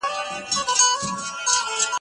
زه به سبا قلمان کار کړم.